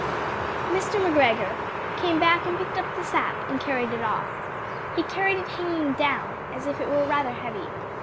Mr. McGregor came back and picked up the sack, and carried it off. He carried it hanging down, as if it were rather heavy.